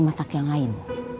masak yang lain